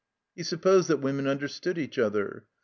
He supposed that women understood each other.